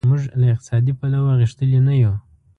موږ له اقتصادي پلوه غښتلي نه یو.